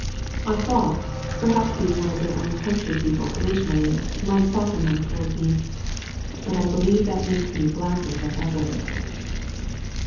I thought, perhaps being one of their own county people originally might soften them toward me, but I believe that makes me blacker than ever."